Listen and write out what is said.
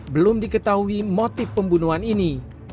belum diketahui motif pembunuhan ini